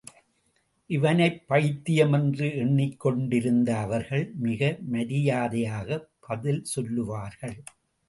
இவனைப் பைத்தியம் என்று எண்ணிக்கொண்டிருந்த அவர்கள், மிக மரியாதையாகப் பதில் சொல்லுவார்கள்.